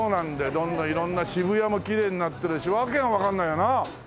どんどん色んな渋谷もきれいになってるしわけがわかんないよな。